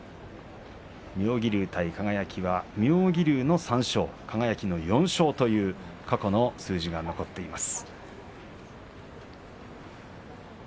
妙義龍対輝は妙義龍の３勝、輝の４勝という過去の数字が残っています。